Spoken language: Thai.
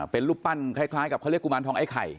เป็นรูปปั้นคล้ายกับเขาเรียกกุมารทองไอ้ไข่